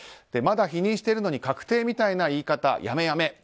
まだ否認しているのに確定みたいな言い方やめやめ。